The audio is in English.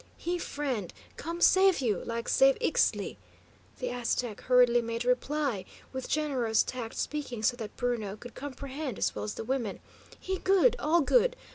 "He friend; come save you, like save Ixtli," the Aztec hurriedly made reply, with generous tact speaking so that Bruno could comprehend as well as the women. "He good; all good!